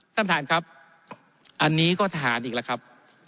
ท่านประธานครับอันนี้ก็ทหารอีกแล้วครับ